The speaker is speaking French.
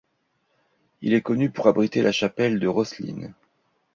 Il est notamment connu pour abriter la chapelle de Rosslyn.